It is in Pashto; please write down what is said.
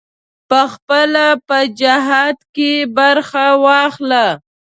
پخپله په جهاد کې برخه واخله.